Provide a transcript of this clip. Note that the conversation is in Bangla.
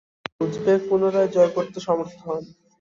তিনি উজবেক পুনরায় জয় করতে সমর্থ হন।